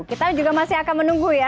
kita juga masih akan menunggu ya